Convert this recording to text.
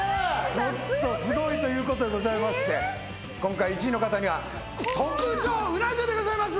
ちょっとすごいということでございまして今回１位の方には特上うな重でございます。